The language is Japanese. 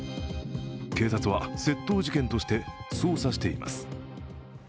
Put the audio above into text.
警察は、窃盗事件として捜査しています。